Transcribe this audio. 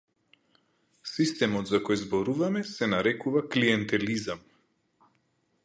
Системот за кој зборуваме се нарекува клиентелизам.